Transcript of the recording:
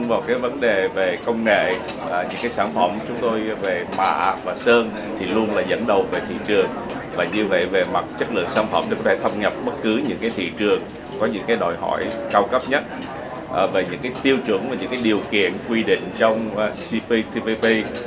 về mặt chất lượng sản phẩm nó có thể thâm nhập bất cứ những thị trường có những đòi hỏi cao cấp nhất về những tiêu chuẩn và những điều kiện quy định trong cptpp